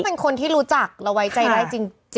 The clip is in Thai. คือมันต้องเป็นคนที่รู้จักเราไว้ใจได้จริง